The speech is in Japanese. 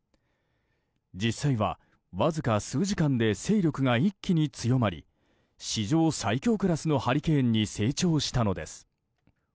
実際はわずか数時間で勢力が一気に強まり史上最強クラスのハリケーンに成長したのです。